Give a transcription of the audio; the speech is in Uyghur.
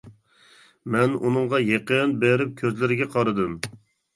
مەن ئۇنىڭغا يېقىن بېرىپ كۆزلىرىگە قارىدىم.